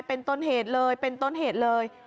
เป็นต้นเหตุเลยเป็นต้นเหตุเลย